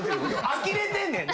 あきれてんねん。